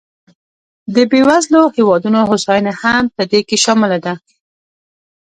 د بېوزلو هېوادونو هوساینه هم په دې کې شامله ده.